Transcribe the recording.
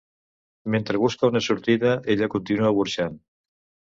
Mentre busca una sortida ella continua burxant.